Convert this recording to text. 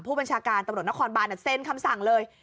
ผู้บัญชาการตำรวจนครบานเซ็นคำสั่งเลย